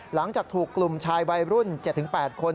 หลังจากถูกกลุ่มชายวัยรุ่น๗๘คน